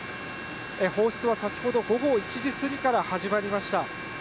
放出は先ほど午後１時過ぎから始まりました。